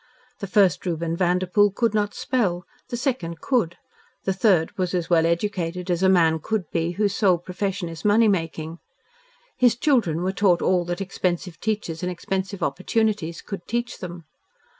The first Reuben Vanderpoel could not spell, the second could, the third was as well educated as a man could be whose sole profession is money making. His children were taught all that expensive teachers and expensive opportunities could teach them.